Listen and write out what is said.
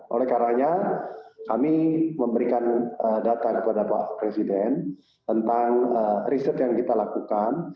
oleh karanya kami memberikan data kepada pak presiden tentang riset yang kita lakukan